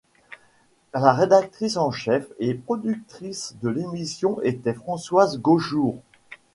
La rédactrice en chef et productrice de l'émission était Françoise Gaujour.